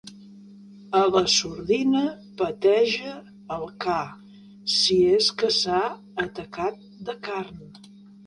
A la sordina peteja el ca, si és que s'ha atacat de carn.